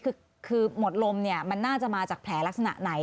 คือหมดลมเนี่ยมันน่าจะมาจากแผลลักษณะไหน